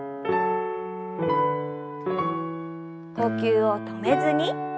呼吸を止めずに。